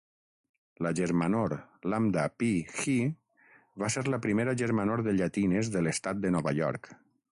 La germanor Lambda Pi Chi va ser la primera germanor de llatines de l'estat de Nova York.